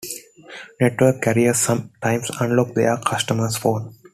Network carriers some times unlock their customer's phones.